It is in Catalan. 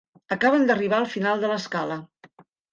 Acaben d'arribar al final de l'escala.